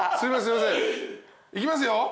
いきますよ！